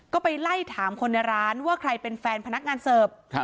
ก็ไปไล่ถามคนในร้านว่าใครเป็นแฟนพนักงานเสิร์ฟ